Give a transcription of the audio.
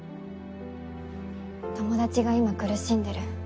友達が今苦しんでる。